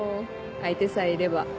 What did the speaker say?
相手さえいれば。